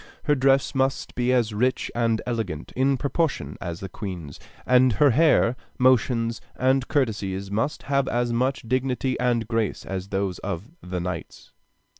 Her dress must be as rich and elegant, in proportion, as the Queen's, and her hair, motions, and curtsies must have as much dignity and grace as those of the knights.